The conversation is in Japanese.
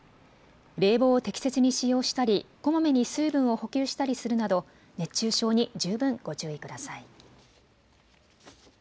冷房を適切に使用したりこまめに水分を補給したりするなど熱中症に十分ご注意ください。